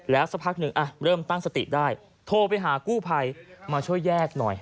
สักพักหนึ่งเริ่มตั้งสติได้โทรไปหากู้ภัยมาช่วยแยกหน่อย